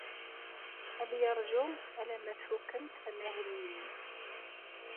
Ad yeṛju arma tfukemt amahil-nwent.